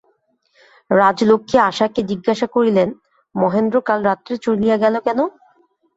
রাজলক্ষ্মী আশাকে জিজ্ঞাসা করিলেন, মহেন্দ্র কাল রাত্রে চলিয়া গেল কেন।